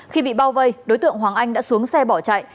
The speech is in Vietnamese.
khi bị bao vây đối tượng hoàng anh đã xuống xe bỏ chạy